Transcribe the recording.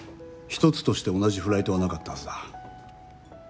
一つとして同じフライトはなかったはずだ。